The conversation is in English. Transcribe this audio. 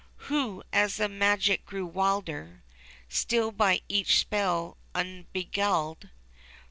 Who, as the magic grew wilder. Still by each spell unbeguiled.